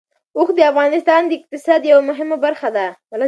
اوښ د افغانستان د اقتصاد یوه مهمه برخه ده.